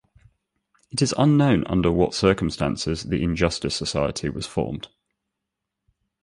It is unknown under what circumstances the Injustice Society was formed.